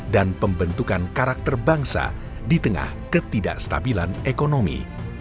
dan pembentukan karakter bangsa di tengah ketidakstabilan ekonomi